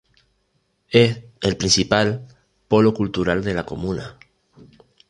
Es el principal polo cultural de la comuna.